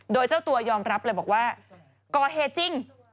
โดยเจ้าตัวยอมรับเลยบอกว่าก่อเหตุจริง